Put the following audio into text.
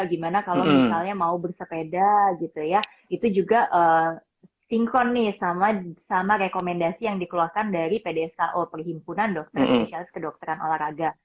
gimana kalau misalnya mau bersepeda gitu ya itu juga sinkronis sama rekomendasi yang dikeluarkan dari pdsao perhimpunan dokteran kedokteran olahraga